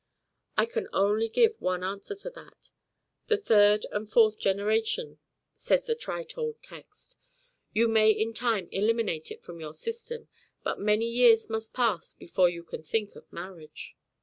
"I can only give one answer to that. 'The third and fourth generation,' says the trite old text. You may in time eliminate it from your system, but many years must pass before you can think of marriage."